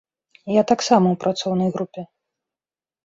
Я таксама ў працоўнай групе.